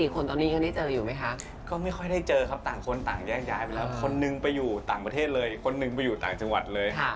คนหนึ่งไปอยู่ต่างจังหวัดเลย